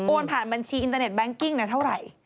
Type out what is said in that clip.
โอนผ่านบัญชีอินเตอร์เน็ตแบงกิ้งเนี่ยเท่าไหร่